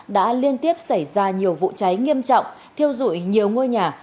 đã liên tiếp xảy ra nhiều vụ cháy nghiêm trọng thiêu dụi nhiều ngôi nhà